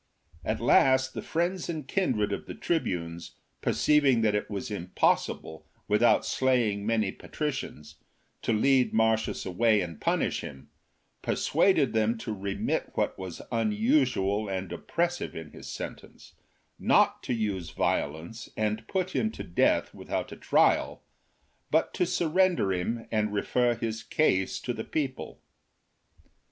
At last the friends and kindred of the tribunes, perceiving that it was impossible, without slaying many pa tricians, to lead Marcius away and punish him, per suaded them to remit what was unusual and oppressive in his sentence, not to use violence and put him to death without a trial, but to surrender him and refer his case to the people.